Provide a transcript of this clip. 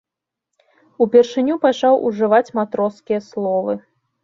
Упершыню пачаў ужываць матроскія словы.